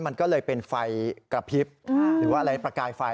มันก็เลยเป็นไฟกระพริบหรือว่าอะไรประกายไฟ